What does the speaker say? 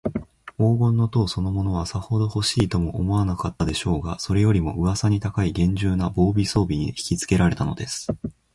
黄金の塔そのものは、さほどほしいとも思わなかったでしょうが、それよりも、うわさに高いげんじゅうな防備装置にひきつけられたのです。